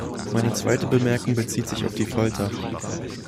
Meine zweite Bemerkung bezieht sich auf die Folter.